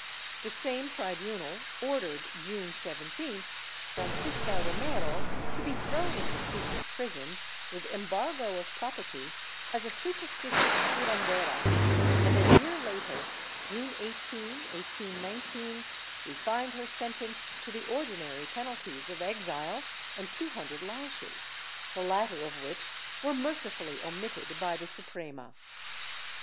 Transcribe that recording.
The same tribunal ordered, June 17th, Francisca Romero to be thrown in the secret prison, with embargo of property, as a superstitious curandera and a year later, June 18, 1819, we find her sentenced to the ordinary penalties of exile and two hundred lashes, the latter of which were mercifully omitted by the Suprema.